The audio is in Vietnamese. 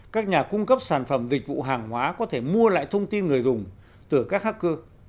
các nhà cung cấp sản phẩm dịch vụ hàng hóa có thể mua lại thông tin người dùng từ các hacker